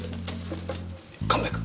神戸君。